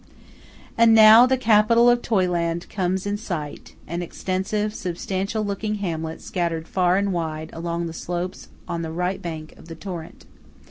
And now the capital of Toyland comes in sight–an extensive, substantial looking hamlet scattered far and wide along the slopes on the right bank of the torrent.